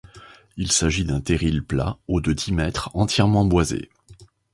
Il s'agit d'un terril plat, haut de dix mètres, entièrement boisé.